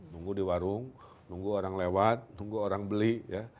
nunggu di warung nunggu orang lewat tunggu orang beli ya